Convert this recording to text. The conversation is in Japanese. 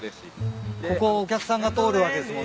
ここをお客さんが通るわけですもんね。